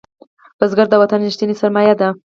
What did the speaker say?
بزګر د وطن ریښتینی سرمایه ده